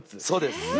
そうです。